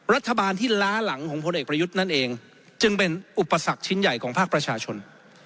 รัฐบาลที่ล้าหลังของพลเอกประยุทธ์นั่นเองจึงเป็นอุปสรรคชิ้นใหญ่ของภาคประชาชน